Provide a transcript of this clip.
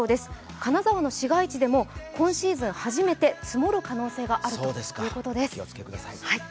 金沢の市街地でも今シーズン初めて積もる可能性があるということです。